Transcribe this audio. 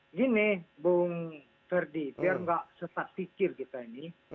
begini bung ferdi biar tidak setat fikir kita ini